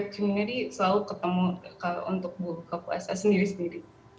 komunitas mereka selalu ketemu untuk buka puasa sendiri sendiri